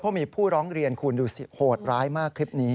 เพราะมีผู้ร้องเรียนคุณดูสิโหดร้ายมากคลิปนี้